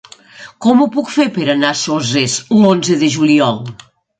Com ho puc fer per anar a Soses l'onze de juliol?